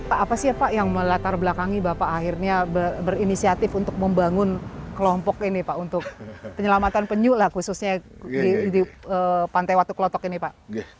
pak apa sih pak yang melatar belakangi bapak akhirnya berinisiatif untuk membangun kelompok ini pak untuk penyelamatan penyu lah khususnya di pantai watu klotok ini pak